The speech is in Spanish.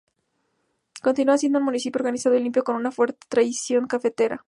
Continúa siendo un municipio organizado y limpio, con una fuerte tradición cafetera.